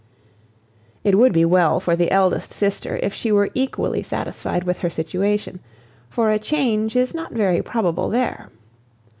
It would be well for the eldest sister if she were equally satisfied with her situation, for a change is not very probable there.